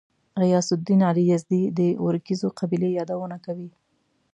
غیاث الدین علي یزدي د ورکزیو قبیلې یادونه کوي.